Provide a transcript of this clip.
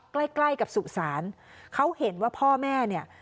ใกล้ใกล้กับสุสานเขาเห็นว่าพ่อแม่เนี่ย